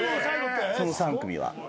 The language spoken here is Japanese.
その３組は。